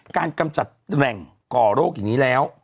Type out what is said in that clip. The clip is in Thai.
กำจัดแหล่งก่อโรคอย่างนี้แล้ว